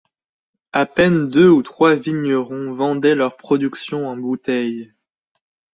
À peine deux ou trois vignerons vendaient leur production en bouteille.